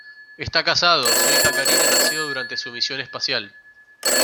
Está casado, su hija Carina nació durante su misión espacial.